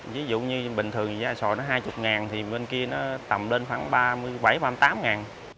ví dụ như bình thường giá xoài nó hai mươi thì bên kia nó tầm lên khoảng ba mươi bảy ba mươi tám ngàn